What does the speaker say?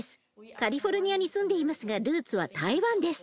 カリフォルニアに住んでいますがルーツは台湾です。